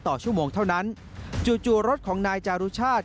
ต่อชั่วโมงเท่านั้นจู่รถของนายจารุชาติ